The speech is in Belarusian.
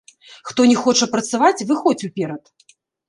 Хто не хоча працаваць, выходзь уперад!